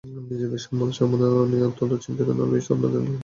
নিজেদের মালসামানা নিয়ে চিন্তিত হবেন না, লুইস আপনাদের সবকিছু গোছগাছ করে দেবে!